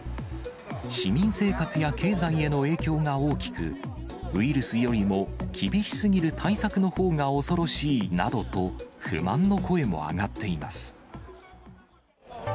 市民生活や経済への影響が大きく、ウイルスよりも厳しすぎる対策のほうが恐ろしいなどと、不満の声も上がっています。